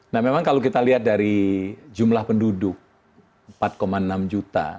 nah memang kalau kita lihat dari jumlah penduduk empat enam juta